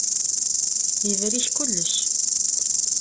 Yebrik kullec.